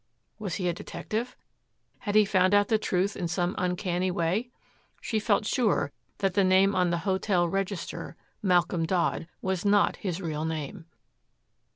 Was he a detective? Had he found out the truth in some uncanny way? She felt sure that the name on the hotel register, Malcolm Dodd, was not his real name.